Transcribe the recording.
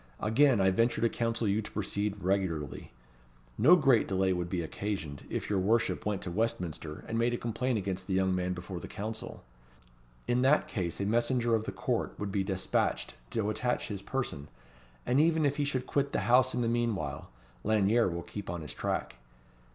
Again I venture to counsel you to proceed regularly. No great delay would be occasioned, if your worship went to Westminster, and made a complaint against the young man before the Council. In that case a messenger of the Court would be despatched to attach his person; and even if he should quit the house in the meanwhile, Lanyere will keep on his track.